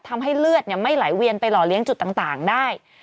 ทำให้เลือดไม่ไหลเวียนไปหล่อเลี้ยงจุดต่างได้